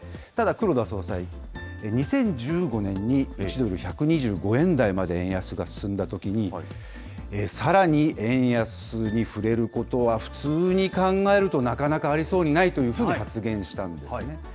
ただ、黒田総裁、２０１５年に１ドル１２５円台まで円安が進んだときに、さらに円安に振れることは普通に考えると、なかなかありそうにないというふうに発言したんですね。